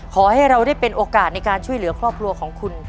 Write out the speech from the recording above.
ขอให้เราได้เป็นโอกาสในการช่วยเหลือครอบครัวของคุณ